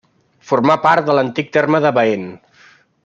Formà part de l'antic terme de Baén.